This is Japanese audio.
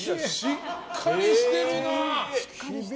しっかりしてるな。